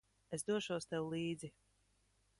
Es došos tev līdzi.